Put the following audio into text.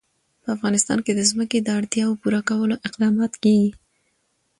په افغانستان کې د ځمکه د اړتیاوو پوره کولو اقدامات کېږي.